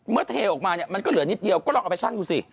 เทออกมาเนี่ยมันก็เหลือนิดเดียวก็ลองเอาไปชั่งดูสิ